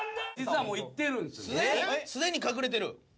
すでに隠れてる？